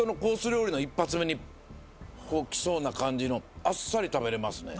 料理の一発目に来そうな感じのあっさり食べれますね